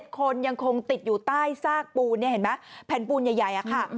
๗คนยังคงติดอยู่ใต้ซากปูนแผ่นปูนใหญ่ค่ะ